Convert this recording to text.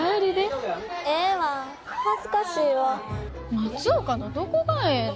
松岡のどこがええの？